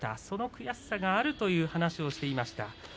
その悔しさがあるという話をしていました。